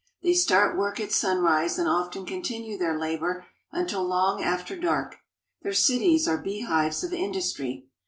They start work at sunrise and often con tinue their labor until long after dark. Their cities are bee hives of industry.